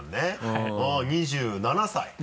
２７歳？